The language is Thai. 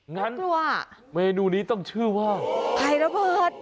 งั้นเมนูนี้ต้องชื่อว่าไข่ระเบิด